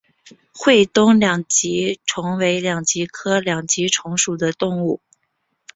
会东两极虫为两极科两极虫属的动物。